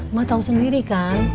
emak tau sendiri kan